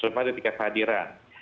terutama di tingkat hadiran